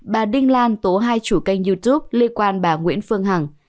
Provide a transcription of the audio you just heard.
bà đinh lan tố hai chủ kênh youtube liên quan bà nguyễn phương hằng